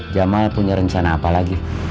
jamaah punya rencana apa lagi